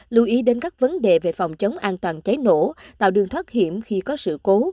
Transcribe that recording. lưu ý đến các vấn đề về phòng chống an toàn cháy nổ tạo đường thoát hiểm khi có sự cố